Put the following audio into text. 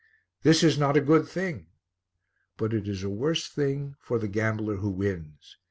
"This is not a good thing"; but it is a worse thing for the gambler who wins.